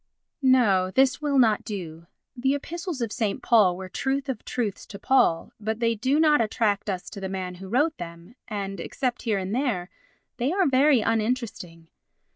No. This will not do. The Epistles of St. Paul were truth of truths to Paul, but they do not attract us to the man who wrote them, and, except here and there, they are very uninteresting.